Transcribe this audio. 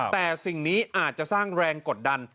แต่สิ่งนี้อาจจะสร้างแรงกดดัน